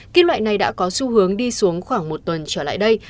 kim loại này đã có xu hướng đi xuống khoảng một tuần trở lại đây